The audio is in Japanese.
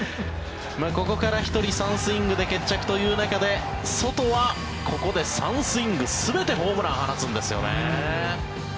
ここから１人３スイングで決着という中でソトはここで３スイング全てホームラン放つんですよね。